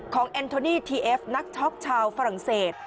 เอ็นโทนี่ทีเอฟนักช็อกชาวฝรั่งเศส